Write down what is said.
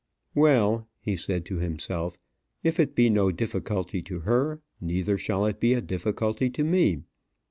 "Well," he said to himself, "if it be no difficulty to her, neither shall it be a difficulty to me.